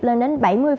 lên đến bảy mươi